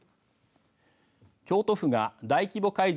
京都府が大規模会場